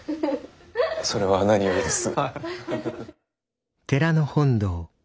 それは何よりです。